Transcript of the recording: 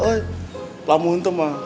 udah aku mau naik ke sana